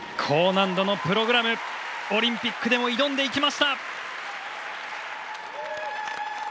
高難度のプログラムオリンピックでも挑んでいきました。